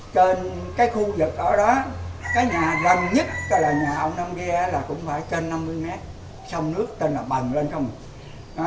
trên cái khu vực ở đó cái nhà răng nhất là nhà ông nam gia là cũng phải trên năm mươi mét sông nước tên là bầng lên không